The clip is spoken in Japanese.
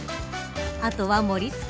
あとは盛り付け。